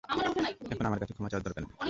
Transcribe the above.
এখন আমার কাছে ক্ষমা চাওয়ার দরকার নেই।